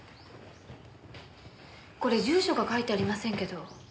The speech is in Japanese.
これ住所が書いてありませんけど。